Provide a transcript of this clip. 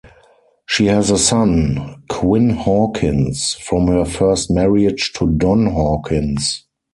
She has a son, Quinn Hawkins, from her first marriage to Don Hawkins.